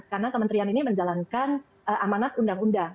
karena kementerian ini menjalankan amanat undang undang